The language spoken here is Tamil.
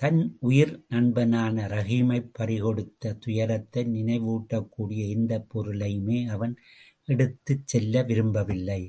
தன் உயிர் நண்பனான ரஹீமைப் பறிகொடுத்த துயரத்தை நினைவூட்டக்கூடிய எந்தப் பொருளையுமே அவன் எடுத்துச் செல்ல விரும்பவில்லை.